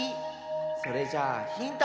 それじゃあヒント！